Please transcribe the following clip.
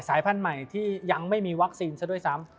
พันธุ์ใหม่ที่ยังไม่มีวัคซีนซะด้วยซ้ำ